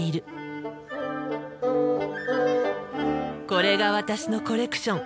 これが私のコレクション。